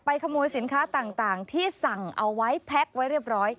ขโมยสินค้าต่างที่สั่งเอาไว้แพ็คไว้เรียบร้อย